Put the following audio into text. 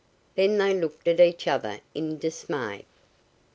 Then they looked at each other in dismay.